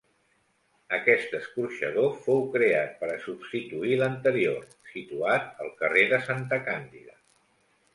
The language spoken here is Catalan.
Aquest escorxador fou creat per a substituir l'anterior, situat al carrer de Santa Càndida.